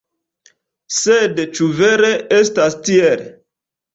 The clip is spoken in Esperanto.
Sed ĉu vere estas tiel?